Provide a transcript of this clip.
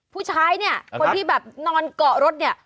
ผู้ชายเนี่ยคนที่แบบนอนเกาะรถเนี่ย